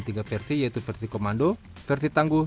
tiga versi yaitu versi komando versi tangguh